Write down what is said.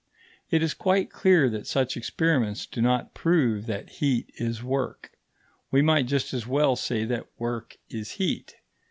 It is quite clear that such experiments do not prove that heat is work. We might just as well say that work is heat.